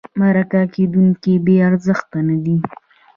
مرکه کېدونکی بې ارزښته نه دی.